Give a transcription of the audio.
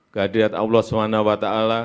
gadirat allah swt